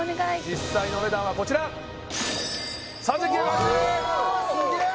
実際のお値段はこちら３９８０円すげえ！